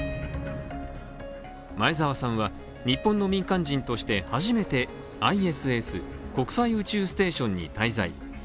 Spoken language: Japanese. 前澤さんは日本の民間人として初めてＩＳＳ＝国際宇宙ステーションに滞在。